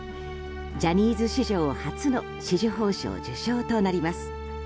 ジャニーズ史上初の紫綬褒章受章となります。